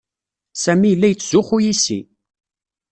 Sami yella yettzuxxu yis-i.